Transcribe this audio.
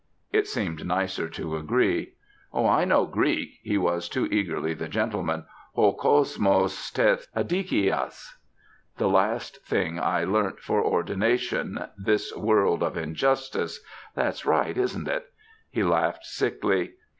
It seemed nicer to agree. "Oh, I know Greek!" he was too eagerly the gentleman "ho cosmos tes adikias the last thing I learnt for ordination this world of injustice that's right, isn't it?" He laughed sickly.